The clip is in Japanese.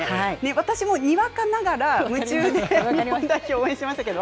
私も、にわかながら夢中で日本代表、応援しましたけど。